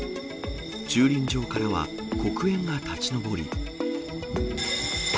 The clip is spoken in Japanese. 駐輪場からは黒煙が立ち上り。